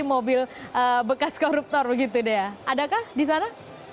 mobil bekas koruptor begitu dea adakah di sana